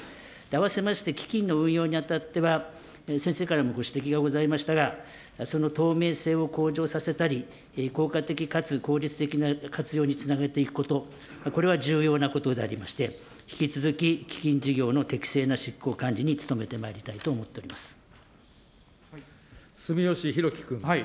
あわせまして、基金の運用に当たっては、先生からもご指摘がございましたが、その透明性を向上させたり、効果的かつ効率的な活用につなげていくこと、これは重要なことでありまして、引き続き基金事業の適正な執行管理に努めてまいりたいと思ってお住吉寛紀君。